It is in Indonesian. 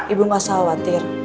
ibu gak usah khawatir